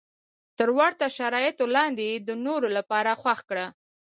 تر ورته شرایطو لاندې یې د نورو لپاره خوښ کړه.